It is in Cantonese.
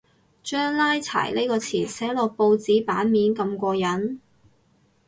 將拉柴呢個詞寫落報紙版面咁過癮